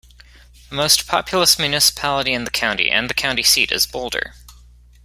The most populous municipality in the county and the county seat is Boulder.